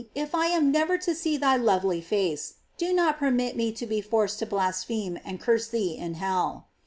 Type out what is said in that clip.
if I am never to see thy lovely face, do not permit me to be forced to blaspheme and curse thee in hell."